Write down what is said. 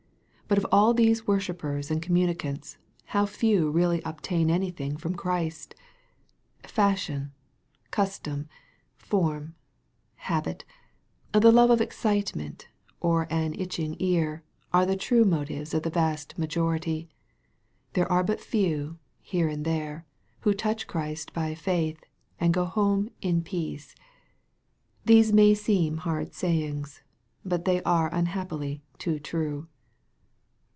But of all these worshippers and communicants, how few really obtain anything from Christ ! Fashion, custom, form, habit, the love of excitement, or an itching ear, are the true motives of the vast majority. There are but few here and there who touch Christ by faith, and go home " in peace." These may seem hard sayings. But they are unhappily too true